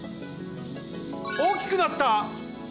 おおきくなった！